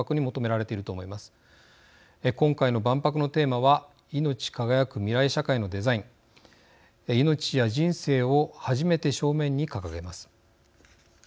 今回の万博のテーマはいのち輝く未来社会のデザインいのちや人生を初めて正面に掲げます。